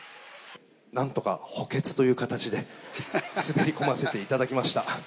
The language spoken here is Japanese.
なんとか補欠という形で滑り込ませていただきました。